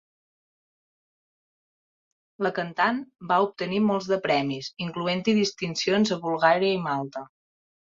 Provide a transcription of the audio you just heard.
La cantant va obtenir molts de premis, incloent-hi distincions a Bulgària i Malta.